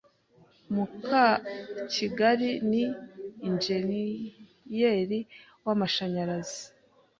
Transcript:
Mukakigali ni injeniyeri w'amashanyarazi.